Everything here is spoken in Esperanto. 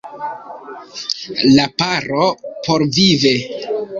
La paro estos porvive.